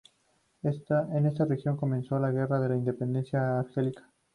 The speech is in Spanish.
En esta región comenzó la Guerra de la Independencia argelina.